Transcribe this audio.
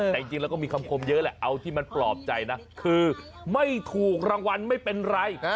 แต่จริงแล้วก็มีคำคมเยอะแหละเอาที่มันปลอบใจนะคือไม่ถูกรางวัลไม่เป็นไร